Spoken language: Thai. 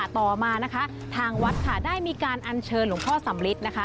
ต่อมานะคะทางวัดค่ะได้มีการอัญเชิญหลวงพ่อสำลิดนะคะ